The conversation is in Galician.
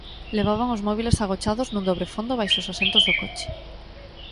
Levaban os móbiles agochados nun dobre fondo baixo os asentos do coche.